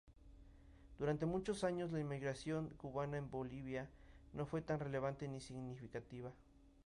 Durante muchos años, la inmigración cubana en Bolivia no fue tan relevante ni significativa.